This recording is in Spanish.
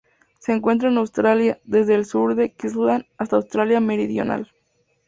Se encuentra en Australia: desde el sur de Queensland hasta Australia Meridional.